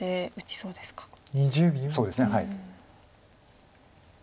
そうですねはい。